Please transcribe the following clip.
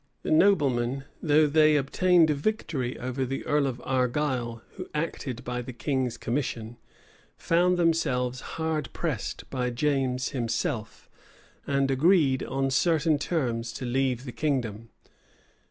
The noblemen, though they obtained a victory over the earl of Argyle, who acted by the king's commission found themselves hard pressed by James himself, and agreed on certain terms to leave the kingdom.